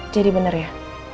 jadi bener ya